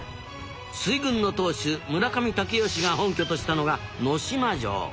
水軍の当主村上武吉が本拠としたのが能島城。